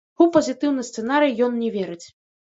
У пазітыўны сцэнарый ён не верыць.